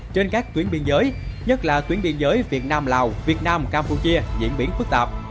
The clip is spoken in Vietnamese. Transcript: trên các tuyến biên giới nhất là tuyến biên giới việt nam lào việt nam campuchia diễn biến phức tạp